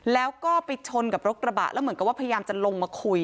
แล้วก็ไปชนกับรถกระบะแล้วเหมือนกับว่าพยายามจะลงมาคุย